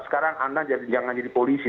sekarang anda jangan jadi polisi